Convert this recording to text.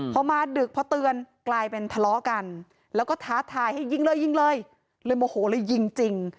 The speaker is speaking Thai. พอมาดึกพอเตือนกลายเป็นทะเลาะกันแล้วก็ท้าทายให้ยิงเลยยิงเลยเลยโมโหเลยยิงจริง